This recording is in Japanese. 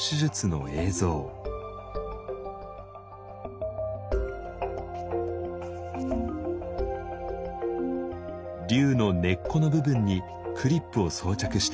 瘤の根っこの部分にクリップを装着していきます。